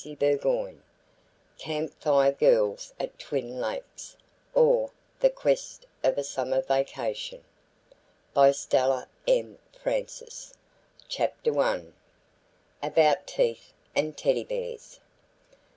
151 CAMP FIRE GIRLS AT TWIN LAKES OR The Quest of a Summer Vacation BY STELLA M. FRANCIS CHAPTER I. ABOUT TEETH AND TEDDY BEARS.